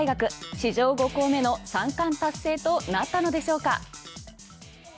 史上５校目の三冠達成となったのでしょうか。